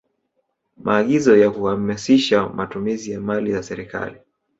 Maagizo ya kuhamasisha matumizi ya mali za serikali